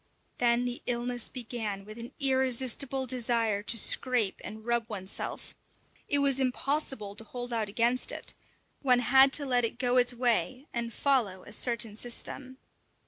Then the illness began with an irresistible desire to scrape and rub oneself. It was impossible to hold out against it; one had to let it go its way and follow a certain system.